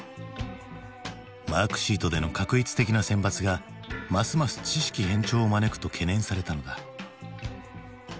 マークシートでの画一的な選抜がますます知識偏重を招くと懸念されたのだ。